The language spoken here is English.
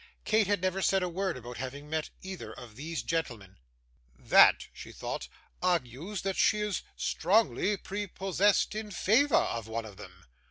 Kate had never said a word about having met either of these gentlemen; 'that,' she thought, 'argues that she is strongly prepossessed in favour of one of them.